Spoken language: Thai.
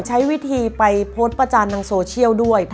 ใช้วิธีไปโพสต์ประจานทางโซเชียลด้วย